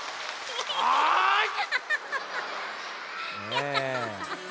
アハハハ！